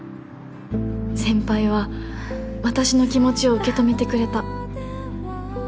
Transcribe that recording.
先輩は私の気持ちを受け止めてくれた・